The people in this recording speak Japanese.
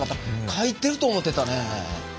かいてると思てたね。